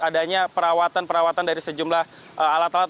adanya perawatan perawatan dari sejumlah alat alat